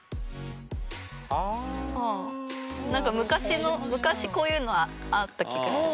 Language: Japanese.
ああなんか昔の昔こういうのあった気がする。